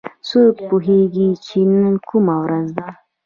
څوک پوهیږي چې نن کومه ورځ ده